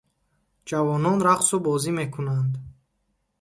Ҷавонон рақсу бозӣ мекунанд.